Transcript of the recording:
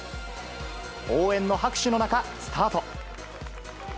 応援の拍手の中、スタート。